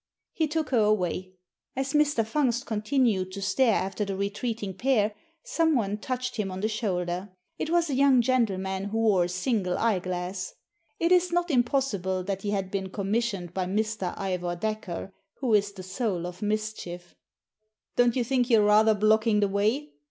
He took her away. As Mr. Fungst continued to stare after the retreating pair someone touched him on the shoulder. It was a young gentleman who wore a single eyeglass. It is not impossible that he had been commissioned by Mr. Ivor Dacre, who is the soul of mischief. " Don't you think you're rather blocking the way